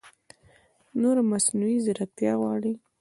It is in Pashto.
نوره مصنعوي ځېرکتیا غواړي